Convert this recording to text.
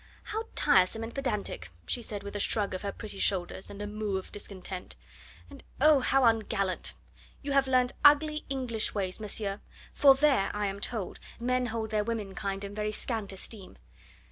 "How tiresome and pedantic!" she said, with a shrug of her pretty shoulders and a moue of discontent. "And, oh! how ungallant! You have learnt ugly, English ways, monsieur; for there, I am told, men hold their womenkind in very scant esteem.